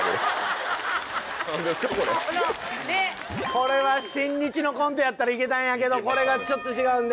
これは新日のコントやったら行けたんやけどこれがちょっと違うんで。